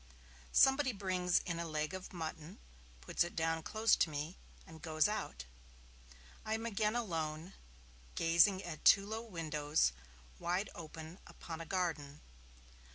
Somebody brings in a leg of mutton, puts it down close to me, and goes out. I am again alone, gazing at two low windows, wide open upon a garden.